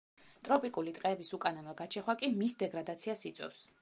ტროპიკული ტყეების უკანონო გაჩეხვა კი მის დეგრადაციას იწვევს.